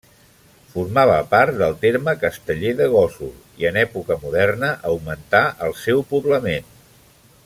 Formava part del terme casteller de Gósol i en època moderna augmentà el seu poblament.